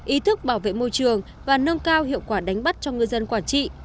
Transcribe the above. ý thức bảo vệ môi trường và nâng cao hiệu quả đánh bắt cho ngư dân quảng trị